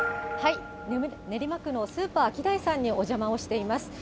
練馬区のスーパーアキダイさんにお邪魔をしています。